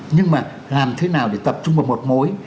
nhưng mà làm thế nào để tập trung vào một mối